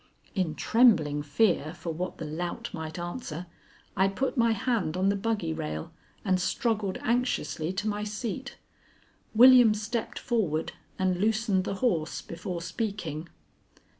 In trembling fear for what the lout might answer, I put my hand on the buggy rail and struggled anxiously to my seat. William stepped forward and loosened the horse before speaking.